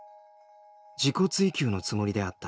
自己追求のつもりであった。